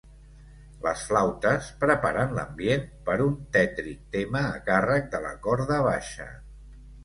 Les flautes preparen l'ambient per un tètric tema a càrrec de la corda baixa.